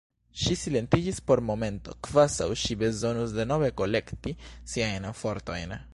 Ŝi silentiĝis por momento, kvazaŭ ŝi bezonus denove kolekti siajn fortojn.